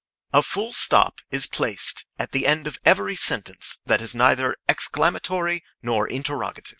A full stop is placed at the end of every sentence that is neither exclamatory nor interrogative.